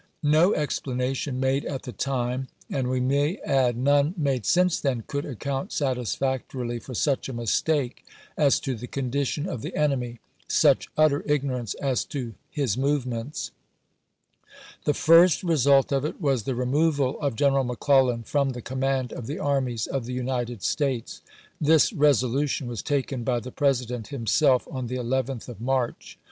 No explanation made at the time, and, we may add, none made since then, could account satisfactorily for such a mistake as to the condition of the enemy, such utter ignorance as to his movements. The first result of it was the removal of General McClellan from the command of the armies of the United States. This resolution was taken by the President himself, on the 11th of March.